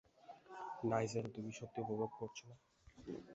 Nigel, তুমি সত্যি উপভোগ করছ না?